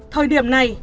thời điểm này